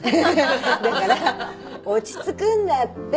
だから落ち着くんだって。